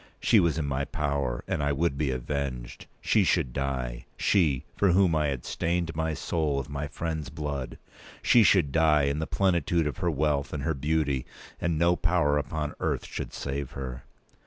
She was in my power, and I would be revenged. She should die—she, for whom I had stained my soul with my friend's blood! She should die, in the plenitude of her wealth and her beauty, and no power upon earth should save her!